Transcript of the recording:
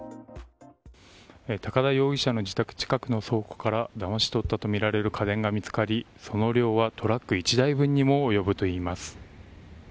高田容疑者の自宅近くの倉庫からだましとったとみられる家電が見つかり、その量はトラック１台分に及ぶといいます。